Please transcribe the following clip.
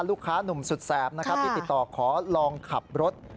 ลูกค้าหนุ่มสุดแสบติดต่อขอลองขับรถ